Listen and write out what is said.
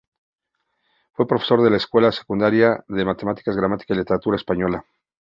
Fue profesor en la escuela secundaria de matemáticas, gramática y literatura española.